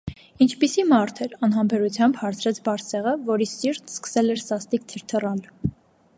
- Ինչպիսի՞ մարդ էր,- անհամբերությամբ հարցրեց Բարսեղը, որի սիրտն սկսել էր սաստիկ թրթռալ: